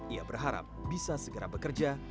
ia berharap bisa segera bekerja